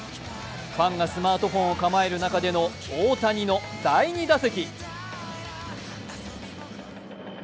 ファンがスマートフォンを構える中での大谷の第２打席。